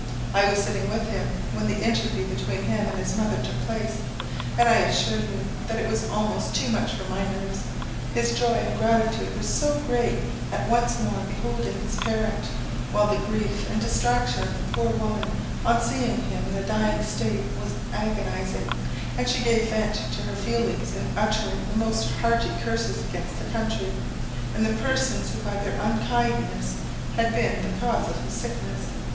I was sitting with him when the interview between him and his mother took place, and I assure you that it was almost too much for my nerves his joy and gratitude were so great at once more beholding his parent, while the grief and distraction of the poor woman, on seeing him in a dying state, was agonising; and she gave vent to her feelings in uttering the most hearty curses against the country, and the persons who by their unkindness had been the cause of his sickness.